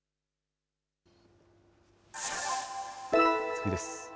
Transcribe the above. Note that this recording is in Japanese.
次です。